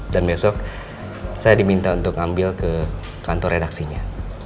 dan besok saya diminta untuk ambil ke kantor redaksinya